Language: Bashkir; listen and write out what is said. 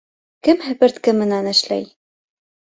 Кем һепертке менән эшләй?